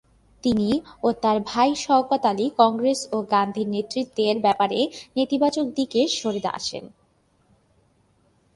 তিনি ও তার ভাই শওকত আলি কংগ্রেস ও গান্ধীর নেতৃত্বের ব্যাপারে নেতিবাচক দিকে সরে আসেন।